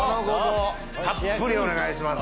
たっぷりお願いします。